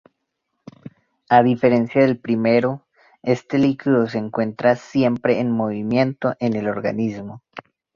A diferencia del primero, este líquido se encuentra siempre en movimiento en el organismo.